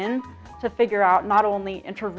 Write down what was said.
untuk mencari bukan hanya di antara negara